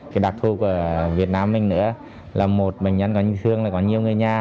cái đặc thu của việt nam mình nữa là một bệnh nhân có nhiều người nhà